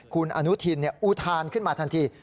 คุณอนุทินอุทานขึ้นมาทันที